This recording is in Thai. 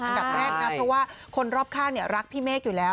กันแบบแรกนะเพราะว่าคนรอบคร่างเนี่ยรักพี่เมฆอยู่แล้ว